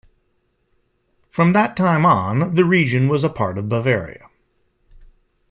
From that time on the region was a part of Bavaria.